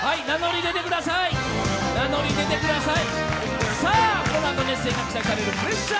名乗り出てください！